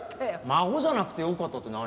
「孫じゃなくてよかった」って何？